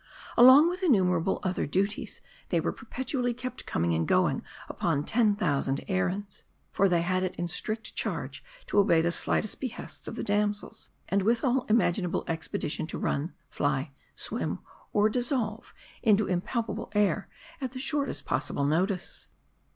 Along with innumerable other duties, they were perpetually kept coming and going upon ten thousand errands ; for they had it in strict charge to obey the slightest behests of the damsels ; and with all imaginable expedition to run, fly, swim, or dissolve into im palpable air, at the shortest possible notice.